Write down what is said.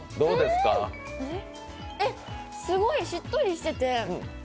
すごいしっとりしてて。